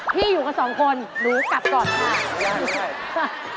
พี่อยู่กันสองคนหนูกลับก่อนหนู